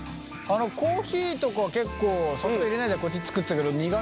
コーヒーとか結構砂糖入れないでこっち作ってたけど苦みとかどう？